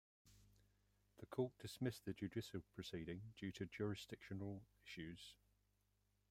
The court dismissed the judicial proceeding due to jurisdictional issues.